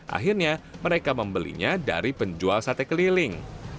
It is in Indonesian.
akhirnya mereka membelinya dari penjual sate keliling